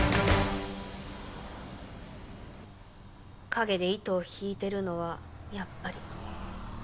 陰で糸を引いてるのはやっぱり。